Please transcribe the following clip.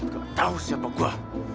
gak tahu siapa gue